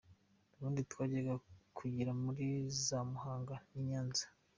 Ubundi twajyaga kuyiga muri za Muhanga n’I Nyanza.